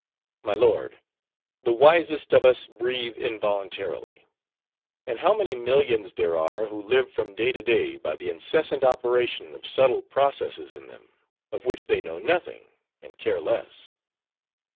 My lord, the wisest of us breathe involuntarily. And how many millions there are who live from day to day by the incessant operation of subtle processes in them, of which they know nothing, and care less?